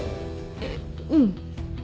えっうん。